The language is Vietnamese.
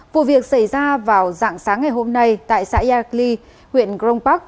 vụ việc xảy ra vào dạng sáng ngày hôm nay tại xã yakli huyện grong park